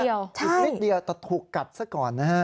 อีกนิดเดียวแต่ถูกกัดซะก่อนนะฮะ